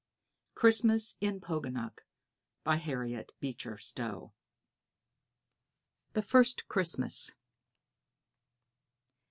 CHRISTMAS IN POGANUC. BY HARRIET BEECHER STOWE. THE FIRST CHRISTMAS.